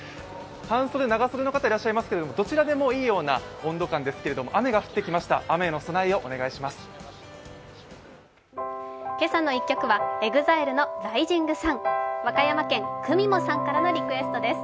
半袖、長袖の方、いらっしゃいますけど、どちらでもいいような温度感ですけど、雨が降ってきました、雨への備えをお願いします。